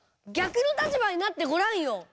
逆の立場になってごらんよ。